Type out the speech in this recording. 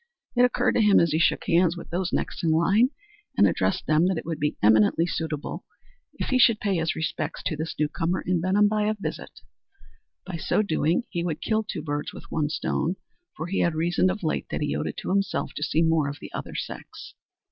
It occurred to him as he shook hands with those next in line and addressed them that it would be eminently suitable if he should pay his respects to this new comer to Benham by a visit. By so doing he world kill two birds with one stone, for he had reasoned of late that he owed it to himself to see more of the other sex.